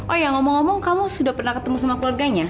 oh ya ngomong ngomong kamu sudah pernah ketemu sama keluarganya